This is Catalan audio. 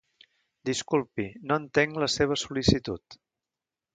Disculpi, no entenc la seva sol·licitud.